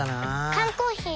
缶コーヒー